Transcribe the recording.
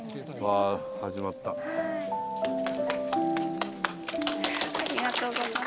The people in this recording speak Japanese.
ありがとうございます。